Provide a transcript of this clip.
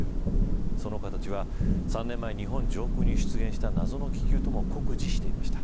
その形は３年前日本上空に出現した謎の気球とも酷似していました。